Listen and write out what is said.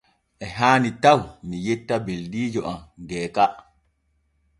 E haani taw mi yetta beldiijo am Geeka.